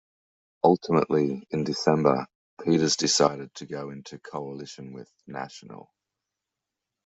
Ultimately, in December, Peters decided to go into coalition with National.